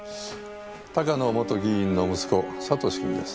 鷹野元議員の息子聡史君です。